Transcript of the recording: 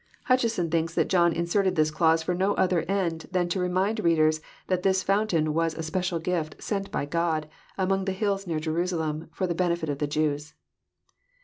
Hutcheson thinks that John inserted this clause for no other end than to remind readers that this fountain was a special gift <* sent" by God, among the hills near Jerusalem, for the benefit of the Jews.